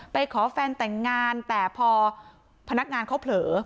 ไปขอแฟนแต่งงานแต่พอพนักงานเขาเผลอ